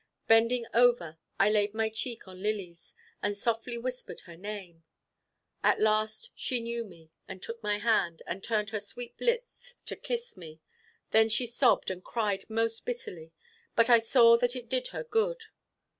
Bending over I laid my cheek on Lily's, and softly whispered her name. At last she knew me, and took my hand, and turned her sweet lips to kiss me. Then she sobbed and cried most bitterly; but I saw that it did her good.